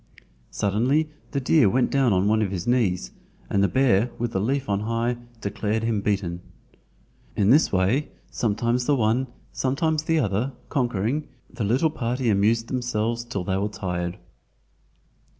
Suddenly the deer went down on one of his knees, and the bear with the leaf on high declared him beaten. In this way, sometimes the one, sometimes the other, conquering, the little party amused themselves till they were tired.